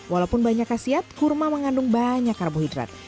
walaupun banyak khasiat kurma mengandung banyak karbohidrat